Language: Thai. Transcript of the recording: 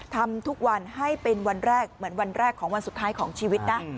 ทำทุกวันให้เป็นวันแรกเหมือนวันแรกของวันสุดท้ายของชีวิตนะ